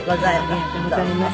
ありがとうございます。